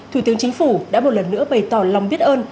thủ tướng chính phủ đã một lần nữa bày tỏ lòng biết ơn